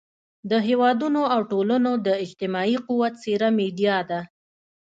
د هېوادونو او ټولنو د اجتماعي قوت څېره میډیا ده.